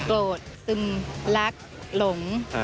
โลธสึมลักโหล่ม